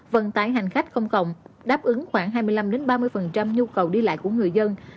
vận tải hành khách công cộng đáp ứng khoảng hai mươi năm ba mươi nhu cầu đi lại của người dân